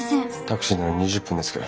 タクシーなら２０分で着く。